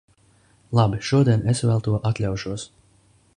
Labi, šodien es vēl to atļaušos.